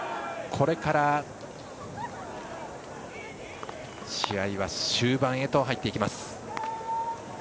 これから試合は終盤へと入っていきます。